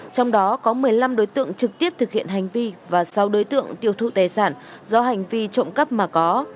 trong đó có một mươi năm đối tượng trực tiếp thực hiện hành vi và sáu đối tượng tiêu thụ tài sản do hành vi trộm cắp mà có